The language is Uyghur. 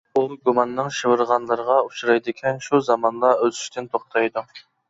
ئۇ گۇماننىڭ شىۋىرغانلىرىغا ئۇچرايدىكەن، شۇ زامانلا ئۆسۈشتىن توختايدۇ.